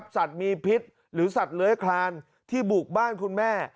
สัตว์มีพิษหรือสัตว์เลื้อยคลานที่บุกบ้านคุณแม่